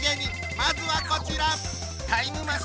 まずはこちら！